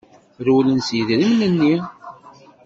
Rewlen s yidrimen-nni.